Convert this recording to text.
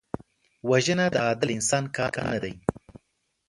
وژنه د عادل انسان کار نه دی